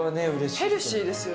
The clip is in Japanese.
ヘルシーですよね。